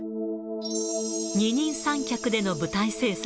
二人三脚での舞台制作。